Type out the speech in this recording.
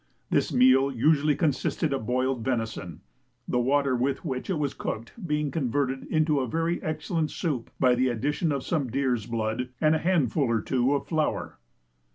This meal usually consisted of boiled venison, the water with which it was cooked being converted into a very excellent soup by the addition of some deer's blood, and a handful or two of flour.